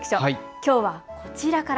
きょうは、こちらから。